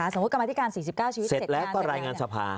กรรมธิการ๔๙ชีวิตเสร็จแล้วก็รายงานสภา